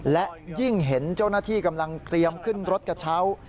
และยิ่งเห็นเจ้าหน้าที่กำลังเตรียมขึ้นรถกระเช้า